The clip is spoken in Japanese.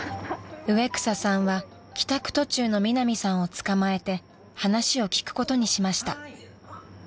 ［植草さんは帰宅途中のミナミさんをつかまえて話を聞くことにしました］